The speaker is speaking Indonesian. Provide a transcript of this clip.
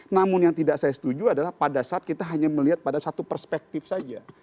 namun yang tidak saya setuju adalah pada saat kita hanya melihat pada satu perspektif saja